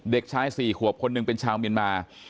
เด็กชาย๔ขวบคนหนึ่งเป็นชาวเมียนมา